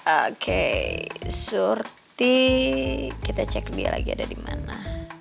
oke surti kita cek dia lagi ada dimana